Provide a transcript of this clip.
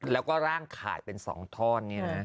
แล้วก็ร่างขายเป็นสองท่อน